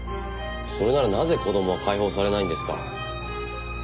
それならなぜ子供は解放されないんですか？